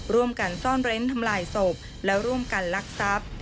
ร่วมกันซ่อนเร้นทำลายศพและร่วมกันลักทรัพย์